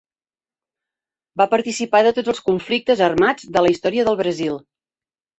Va participar de tots els conflictes armats de la Història de Brasil.